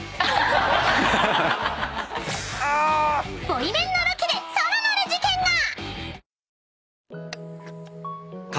［ボイメンのロケでさらなる事件が！］